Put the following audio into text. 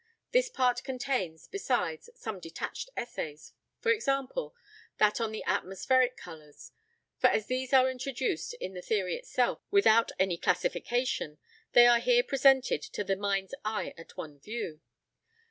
This part contains, besides, some detached essays; for example, that on the atmospheric colours; for as these are introduced in the theory itself without any classification, they are here presented to the mind's eye at one view.